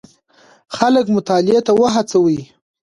خلک مطالعې ته وهڅوئ.